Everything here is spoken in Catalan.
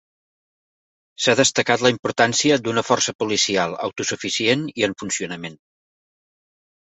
S'ha destacat la importància d'una força policial autosuficient i en funcionament.